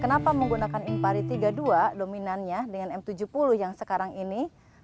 kenapa menggunakan impari tiga puluh dua dominannya dengan m tujuh puluh yang sekarang ini